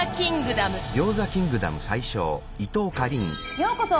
ようこそ！